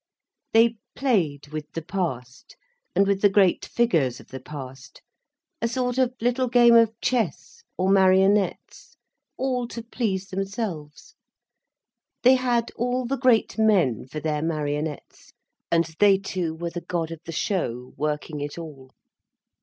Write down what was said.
They played with the past, and with the great figures of the past, a sort of little game of chess, or marionettes, all to please themselves. They had all the great men for their marionettes, and they two were the God of the show, working it all.